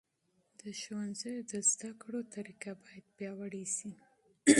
د ښوونځیو د زده کړو کیفیت باید پیاوړی سي.